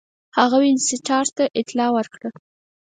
هغه وینسیټارټ ته اطلاع ورکړه.